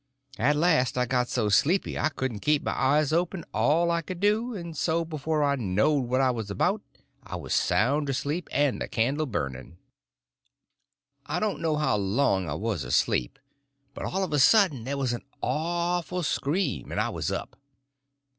At last I got so sleepy I couldn't keep my eyes open all I could do, and so before I knowed what I was about I was sound asleep, and the candle burning. I don't know how long I was asleep, but all of a sudden there was an awful scream and I was up.